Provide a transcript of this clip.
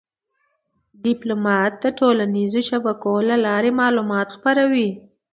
ډيپلومات د ټولنیزو شبکو له لارې معلومات خپروي.